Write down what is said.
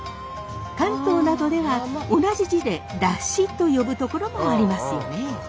関東などでは同じ字で「山車」と呼ぶ所もありますよね。